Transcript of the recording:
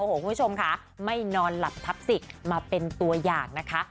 คุณผู้ชมค่ะไม่นอนหลับทับสิกมาเป็นตัวอย่างนะคะ